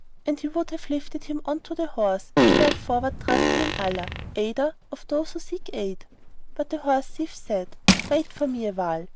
And he would have lifted him on to the horse and fared forward trusting in Allah Aider of those who seek aid, but the horse thief said, "Wait for me awhile.